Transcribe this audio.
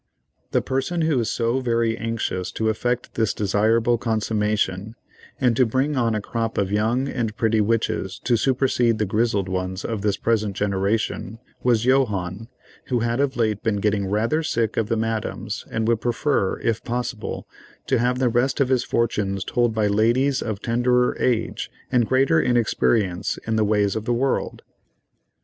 The person who is so very anxious to effect this desirable consummation, and to bring on a crop of young and pretty witches to supersede the grizzled ones of this present generation was Johannes, who had of late been getting rather sick of the "Madames," and would prefer, if possible, to have the rest of his fortunes told by ladies of tenderer age, and greater inexperience in the ways of the world.